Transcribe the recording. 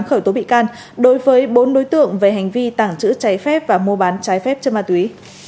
khởi tố bị can đối với bốn đối tượng về hành vi tàng trữ trái phép và mua bán trái phép chất ma túy